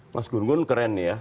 mas gun gun keren ya